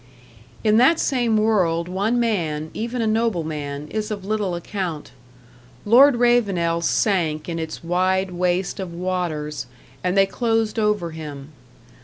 In that same world one man, even a nobleman, is of little account. Lord Ravenel sank in its wide waste of waters, and they closed over him.